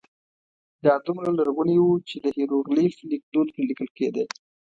دا دومره لرغونی و چې د هېروغلیف لیکدود پرې لیکل کېده.